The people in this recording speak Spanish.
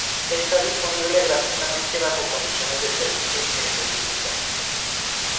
Está disponible gratuitamente bajo condiciones de servicio específicas.